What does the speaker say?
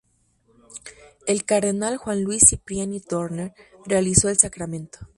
El cardenal Juan Luis Cipriani Thorne realizó el sacramento.